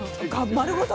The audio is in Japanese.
丸ごと？